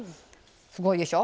すごいでしょ。